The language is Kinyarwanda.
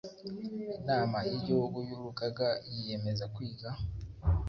Inama y Igihugu y Urugaga yiyemeza kwiga